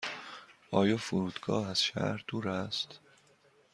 آیا فرودگاه از شهر دور است؟